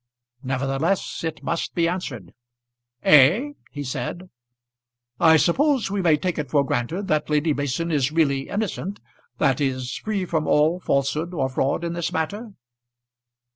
Nevertheless it must be answered. "Eh?" he said. "I suppose we may take it for granted that Lady Mason is really innocent, that is, free from all falsehood or fraud in this matter?"